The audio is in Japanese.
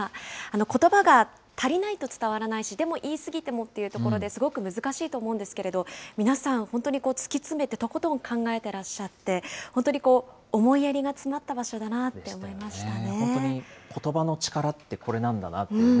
ことばが足りないと伝わらないし、でも言い過ぎてもっていうところで、すごく難しいと思うんですけれど、皆さん、本当につきつめてとことん考えてらっしゃって、本当にこう、思いやりが詰まった場所だなって思いましたね。